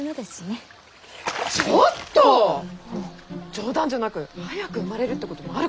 冗談じゃなく早く生まれるってこともあるからね！